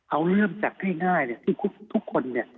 เอาเรื่องจากง่ายที่ทุกคนเนี่ย